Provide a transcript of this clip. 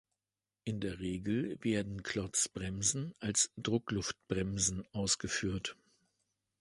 In der Regel werden Klotzbremsen als Druckluftbremsen ausgeführt.